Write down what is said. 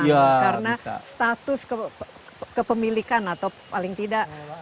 karena status kepemilikan atau paling tidak